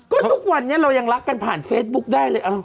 ก็ทุกวันนี้เรายังรักกันผ่านเฟซบุ๊กได้เลย